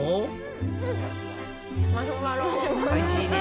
おいしいね。